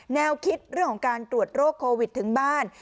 แนวคิดเรื่องของการตรวจโรคโควิดถึงบ้าน